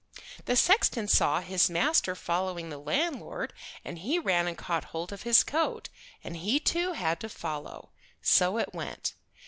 The sexton saw his master following the landlord, and he ran and caught hold of his coat, and he too had to follow. So it went.